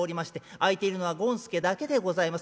空いてるのは権助だけでございます。